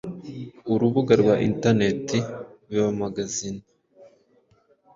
Urubuga rwa Internet ‘bibamagazine’